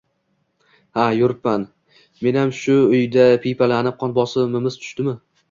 Haa, yuripman menam shu uyda piypalanib, qon bosimiz tushdimi?